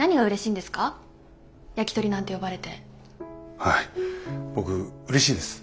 はい僕うれしいです。